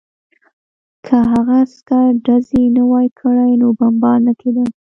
که هغه عسکر ډزې نه وای کړې نو بمبار نه کېده